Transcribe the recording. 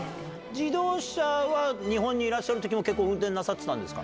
自動車は日本にいらっしゃるときも、結構運転なさってたんですか。